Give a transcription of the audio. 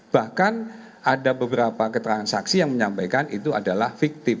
bahkan ada beberapa keterangan saksi yang menyampaikan itu adalah fiktif